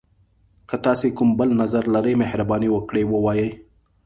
که تاسي کوم بل نظر لری، مهرباني وکړئ ووایئ.